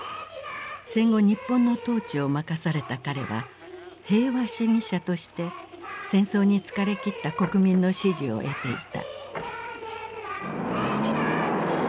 戦後日本の統治を任された彼は「平和主義者」として戦争に疲れ切った国民の支持を得ていた。